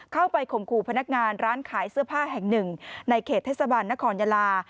ข่มขู่พนักงานร้านขายเสื้อผ้าแห่งหนึ่งในเขตเทศบาลนครยาลา